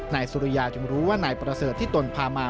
นายสุริยาจึงรู้ว่านายประเสริฐที่ตนพามา